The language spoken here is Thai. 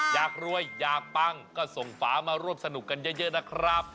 อยากรวยอยากปังก็ส่งฝามาร่วมสนุกกันเยอะนะครับ